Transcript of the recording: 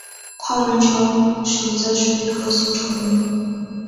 泡轮虫属则属于核形虫目。